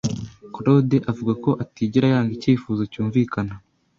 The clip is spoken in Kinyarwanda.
Claude avuga ko atigera yanga icyifuzo cyumvikana.